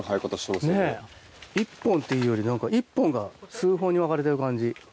１本っていうより何か１本が数本に分かれてる感じ。